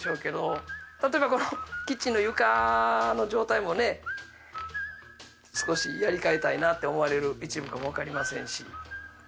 例えばこのキッチンの床の状態もね少しやり替えたいなって思われる一部かもわかりませんし。